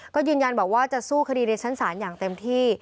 ก็ยืนยันบอกว่าจะสู้คดีในชั้นศาลอย่างเต็มที่